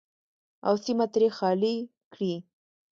او سیمه ترې خالي کړي.